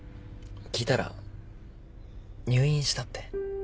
聞いたら入院したって。